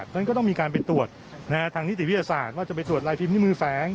เพราะฉะนั้นก็ต้องมีการไปตรวจทางนิตยาวิทยาศาสตร์ว่าจะไปตรวจรายพิมพ์มือแฟ้ง